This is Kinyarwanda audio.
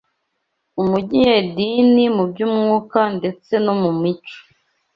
umunyedini mu by’umwuka ndetse no mu mico